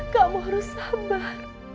kamu harus sabar